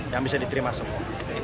yang bisa diterima semua